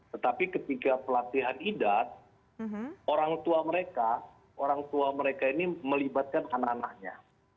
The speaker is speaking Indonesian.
tetapi ketika pelatihan idat orang tua mereka orang tua mereka ini melibatkan anak anaknya